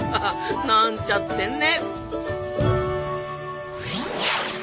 なんちゃってね。